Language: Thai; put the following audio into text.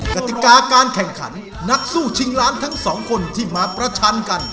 กติกาการแข่งขันนักสู้ชิงล้านทั้งสองคนที่มาประชันกัน